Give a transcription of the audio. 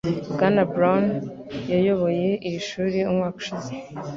Bwana Brown yayoboye iri shuri umwaka ushize.